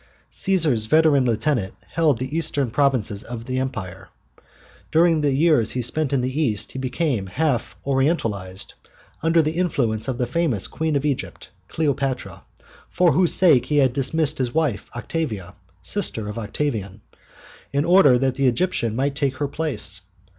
Cæsar's veteran lieutenant held the Eastern provinces of the Empire. During the years he had spent in the East he had become half Orientalized, under the influence of the famous Queen of Egypt, Cleopatra, for whose sake he had dismissed his wife Octavia, the sister of Octavian, in order that the Egyptian might take her place.